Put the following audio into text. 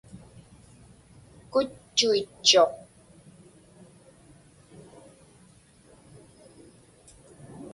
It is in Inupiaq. Kutchuitchuq.